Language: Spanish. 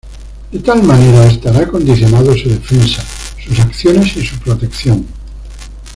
De tal manera estará condicionado su defensa, sus acciones y su protección.